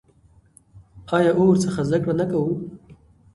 آیا او ورڅخه زده کړه نه کوو؟